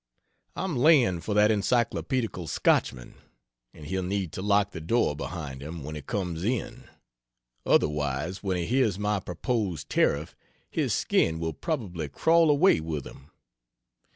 I'm laying for that Encyclopedical Scotchman and he'll need to lock the door behind him, when he comes in; otherwise when he hears my proposed tariff his skin will probably crawl away with him.